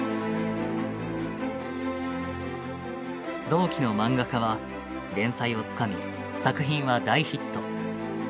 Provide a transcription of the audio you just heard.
同期のマンガ家は連載をつかみ作品は大ヒット。